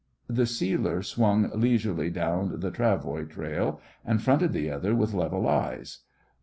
The sealer swung leisurely down the travoy trail and fronted the other with level eyes.